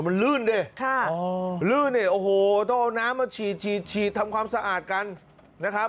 มันลื่นเลยต้องเอาน้ำมาฉีดทำความสะอาดกันนะครับ